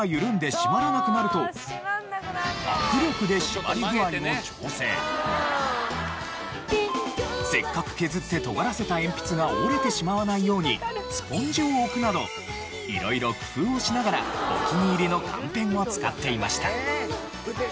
使っているうちにせっかく削って尖らせた鉛筆が折れてしまわないようにスポンジを置くなど色々工夫をしながらお気に入りのカンペンを使っていました。